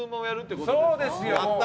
そうですよもう。